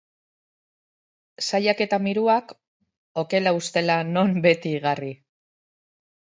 Saiak eta miruak, okela ustela non, beti igarri.